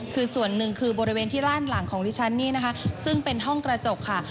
คือส่วนหนึ่งคือบริเวณที่ร่านหลังของดิฉันนี่นะคะซึ่งเป็นห้องกระจกค่ะ